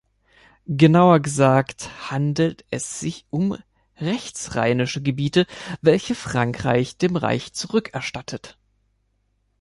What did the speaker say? Genauer gesagt handelt es sich um rechtsrheinische Gebiete, welche Frankreich dem Reich zurückerstattet.